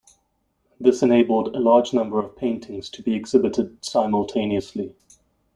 This enabled a large number of paintings to be exhibited simultaneously.